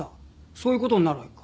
そういう事になるわけか。